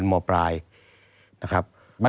ตั้งแต่ปี๒๕๓๙๒๕๔๘